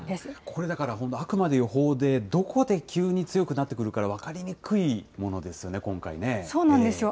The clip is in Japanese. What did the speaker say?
これだから、本当にあくまで予報だから、どこで急に強くなってくるか分かりにくいものですよね、そうなんですよ。